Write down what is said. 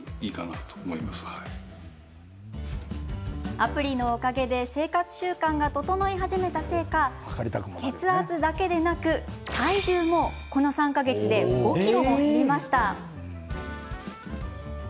アプリのおかげで生活習慣が整い始めたせいか血圧だけでなく、体重もこの３か月で５ｋｇも減りました。